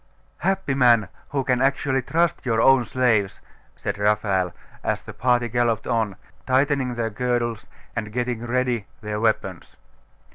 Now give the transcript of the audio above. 'Happy man, who can actually trust your own slaves!' said Raphael, as the party galloped on, tightening their girdles and getting ready their weapons.